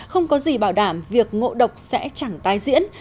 không có gì bảo đảm việc ngộ độc sẽ chẳng tái diễn